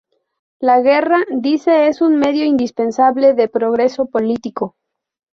La guerra, dice, es un medio indispensable de progreso político.